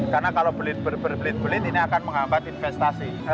karena kalau berbelit belit ini akan menghambat investasi